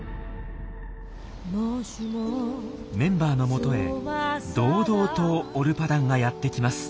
メンバーのもとへ堂々とオルパダンがやってきます。